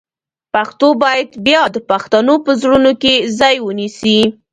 پښتو باید بیا د پښتنو په زړونو کې ځای ونیسي.